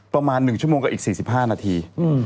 ประมาณ๑ชั่วโมงกับอีก๔๕นาที